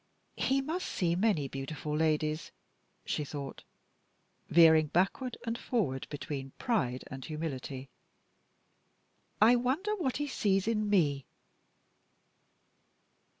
"He must see many beautiful ladies," she thought, veering backward and forward between pride and humility. "I wonder what he sees in Me?"